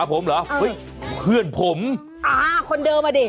ผมเหรอเฮ้ยเพื่อนผมอ่าคนเดิมอ่ะดิ